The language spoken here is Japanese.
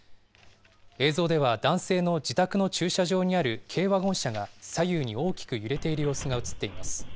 映像では、男性の自宅の駐車場にある軽ワゴン車が、左右に大きく揺れている様子が写っています。